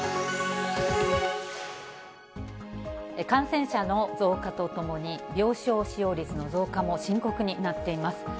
感染者の増加とともに、病床使用率の増加も深刻になっています。